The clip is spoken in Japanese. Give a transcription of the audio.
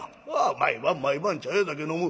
毎晩毎晩茶屋酒飲む。